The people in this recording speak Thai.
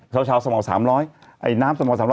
ชายชาญสมัคร๓๐๐ธิศน้ำสมัคร๓๐๐